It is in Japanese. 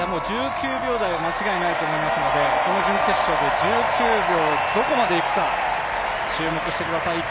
１９秒台は間違いないと思いますのでこの準決勝で１９秒どこまでいくか注目してください。